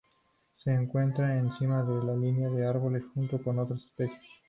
Se encuentra por encima de la línea de árboles junto con otras especies".